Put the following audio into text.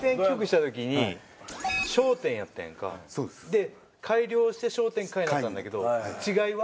で改良して昇天・改になったんだけど違いは？